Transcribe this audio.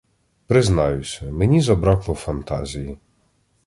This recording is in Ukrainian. Признаюся: мені забракло фантазії.